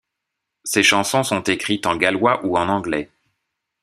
Ses chansons sont écrites en gallois ou en anglais.